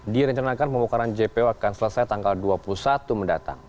direncanakan pembongkaran jpo akan selesai tanggal dua puluh satu mendatang